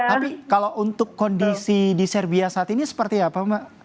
tapi kalau untuk kondisi di serbia saat ini seperti apa mbak